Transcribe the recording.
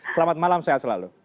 selamat malam sehat selalu